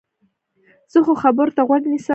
زه ښو خبرو ته غوږ نیسم.